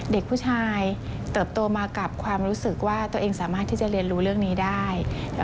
เด็กผู้ชายเติบโตมากับความรู้สึกว่าตัวเองสามารถที่จะเรียนรู้เรื่องนี้ได้